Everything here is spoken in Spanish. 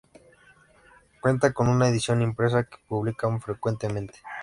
Cuenta con una edición impresa que publican frecuentemente.